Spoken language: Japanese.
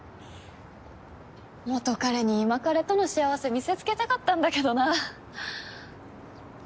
元カレに今カレとの幸せ見せつけたかったんだけどな。